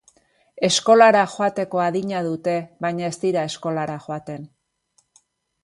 Eskolara joateko adina dute baina ez dira eskolara joaten.